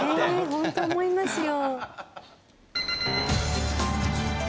ホント思いますよ。